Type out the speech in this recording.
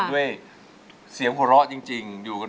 แก้มขอมาสู้เพื่อกล่องเสียงให้กับคุณพ่อใหม่นะครับ